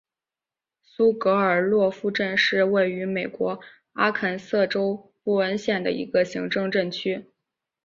苏格尔洛夫镇区是位于美国阿肯色州布恩县的一个行政镇区。